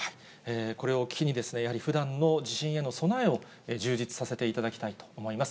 これを機に、やはりふだんの地震への備えを充実させていただきたいと思います。